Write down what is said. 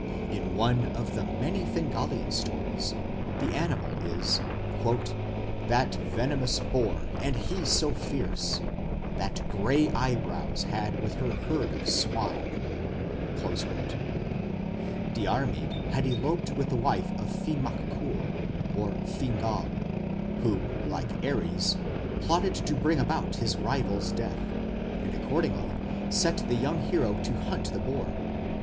In one of the many Fingalian stories the animal is ... That venomous boar, and he so fierce, That Grey Eyebrows had with her herd of swine. Diarmid had eloped with the wife of Finn mac Coul (Fingal), who, like Ares, plotted to bring about his rival's death, and accordingly set the young hero to hunt the boar.